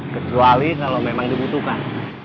kecuali kalau memang dibutuhkan